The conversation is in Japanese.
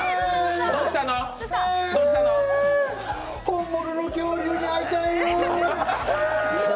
本物の恐竜に会いたいよ。